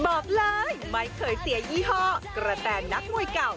บอกเลยไม่เคยเสียยี่ห้อกระแตนนักมวยเก่า